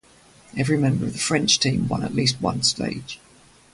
Every member of the French team won at least one stage.